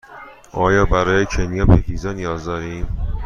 آیا برای کنیا به ویزا نیاز دارم؟